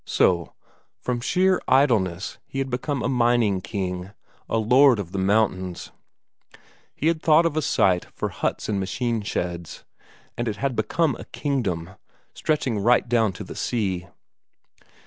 So, from sheer idleness he had become a mining king, a lord of the mountains; he had thought of a site for huts and machine sheds, and it had become a kingdom, stretching right down to the sea.